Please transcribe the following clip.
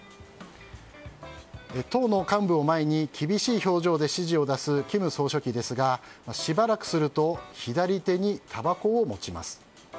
党の幹部を前に、厳しい表情で指示を出す金総書記ですが、しばらくすると左手にたばこを持ちます。